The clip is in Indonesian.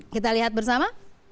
kita lihat bersama